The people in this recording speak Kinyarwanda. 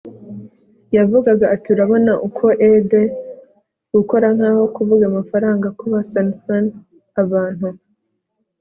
yavugaga ati 'urabona uko e de gukora nkaho kuvuga amafaranga kuba san-san.' 'abantu